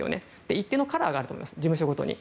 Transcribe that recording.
一定のカラーがあると思います事務所ごとに。